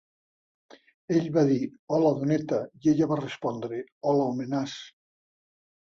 Ell va dir "hola, doneta", i ella va respondre "hola, homenàs".